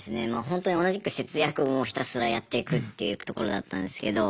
ホントに同じく節約をひたすらやっていくっていうところだったんですけど。